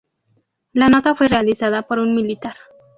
La nota fue realizada por un militar.